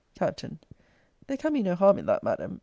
Capt. There can be no harm in that, Madam.